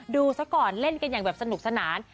ซะก่อนเล่นกันอย่างแบบสนุกสนาน